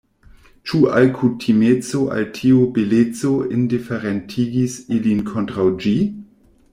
Ĉu alkutimeco al tiu beleco indiferentigis ilin kontraŭ ĝi?